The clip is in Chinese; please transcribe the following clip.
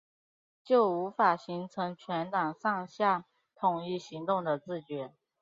就无法形成全党上下统一行动的自觉